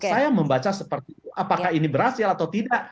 saya membaca seperti itu apakah ini berhasil atau tidak